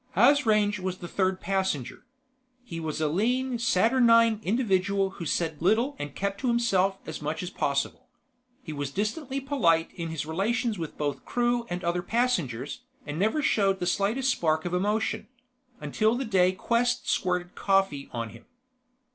Asrange was the third passenger. He was a lean, saturnine individual who said little and kept to himself as much as possible. He was distantly polite in his relations with both crew and other passengers, and never showed the slightest spark of emotion ... until the day Quest squirted coffee on him.